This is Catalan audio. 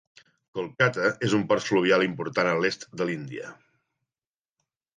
Kolkata és un port fluvial important a l"est de l"Índia.